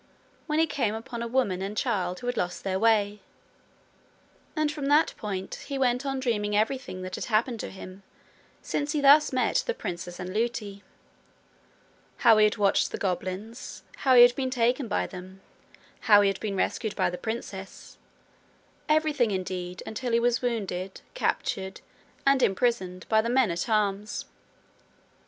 when he came upon a woman and child who had lost their way; and from that point he went on dreaming everything that had happened to him since he thus met the princess and Lootie; how he had watched the goblins, how he had been taken by them, how he had been rescued by the princess; everything, indeed, until he was wounded, captured, and imprisoned by the men at arms.